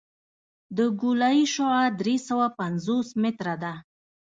د ګولایي شعاع درې سوه پنځوس متره ده